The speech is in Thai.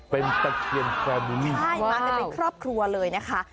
เป็นตะเคียนแฟร์มิลี่ใช่มากันเป็นครอบครัวเลยนะคะ